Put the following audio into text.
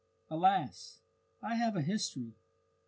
Alas! I have a history.